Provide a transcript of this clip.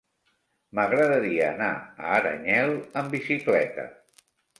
M'agradaria anar a Aranyel amb bicicleta.